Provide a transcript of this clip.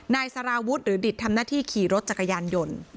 นายสารวุฒิหรือดิตทำหน้าที่ขี่รถจักรยานยนต์